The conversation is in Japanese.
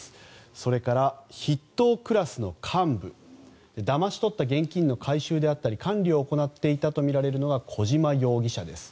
それから、筆頭クラスの幹部だまし取った現金の回収であったり管理を行っていたとみられるのは小島容疑者です。